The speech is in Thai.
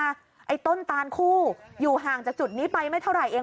ไอ้ต้นตานคู่อยู่ห่างจากจุดนี้ไปไม่เท่าไหร่เอง